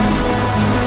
yang lebih baik adalah